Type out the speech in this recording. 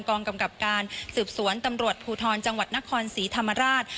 กองกำกับการสืบสวนตำรวจภูทรจังหวัดนครศรีธรรมราช